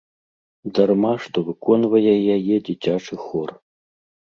Дарма, што выконвае яе дзіцячы хор.